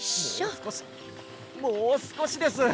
もうすこしもうすこしです。